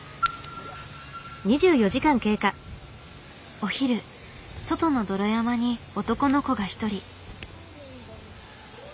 お昼外の泥山に男の子が一人。